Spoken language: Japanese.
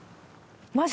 マジ？